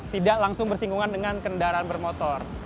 tidak langsung bersinggungan dengan kendaraan bermotor